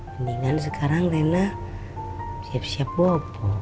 mendingan sekarang rena siap siap bobo